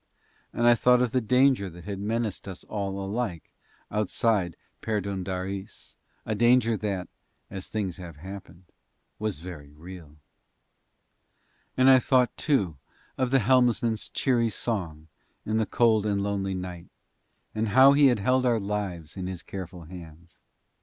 And I thought of the danger that had menaced us all alike outside Perdóndaris, a danger that, as things have happened, was very real. And I thought too of the helmsman's cheery song in the cold and lonely night, and how he had held our lives in his careful hands.